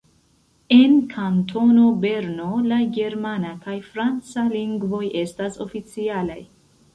En Kantono Berno la germana kaj franca lingvoj estas oficialaj.